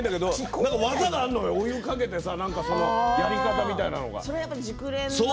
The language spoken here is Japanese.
何か技があるんだよお湯をかけてねやり方みたいなのが。